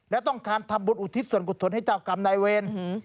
และต้องการทำบุญอุทิศส่วนกุศลให้เจ้ากรรมนายเวร